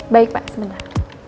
baik pak sebentar